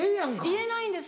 言えないんです。